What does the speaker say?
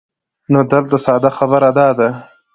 نو دلته ساده خبره دا ده